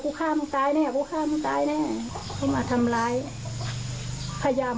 ทำร้ายพยายามฆ่าเลยนะ